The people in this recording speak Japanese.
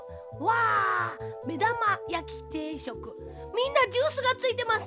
みんなジュースがついてます。